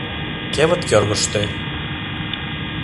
— Кевыт кӧргыштӧ...